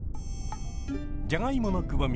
じゃがいものくぼみ